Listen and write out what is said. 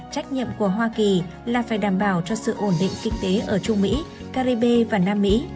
trách nhiệm của hoa kỳ là phải đảm bảo cho sự ổn định kinh tế ở trung mỹ caribe và nam mỹ